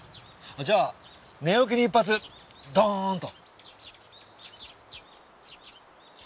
じゃあ寝起きに一発ドーンと。